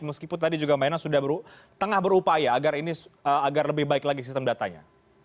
meskipun tadi juga mbak ena sudah tengah berupaya agar ini agar lebih baik lagi sistem datanya